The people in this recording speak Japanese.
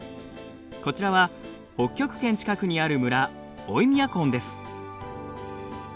こちらは北極圏近くにある村オイミャコンです。